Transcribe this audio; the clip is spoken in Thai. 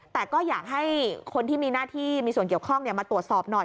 แต่ก็อยากให้คนที่มีหน้าที่มีส่วนเกี่ยวข้องมาตรวจสอบหน่อย